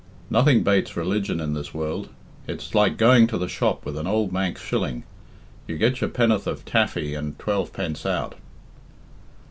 Nothing bates religion in this world. It's like going to the shop with an ould Manx shilling you get your pen'orth of taffy and twelve pence out."